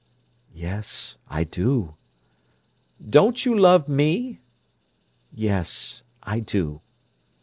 "Yes—I do." "Don't you love me?" "Yes—I do."